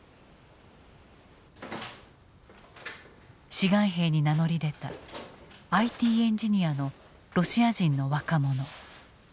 志願兵に名乗り出たＩＴエンジニアのロシア人の若者。